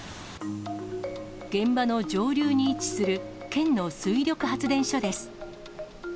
現場の上流に位置する県の水力発電所です。